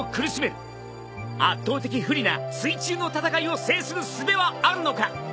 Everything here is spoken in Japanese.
圧倒的不利な水中の戦いを制するすべはあるのか？